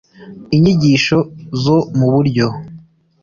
inyigisho zo mu buryo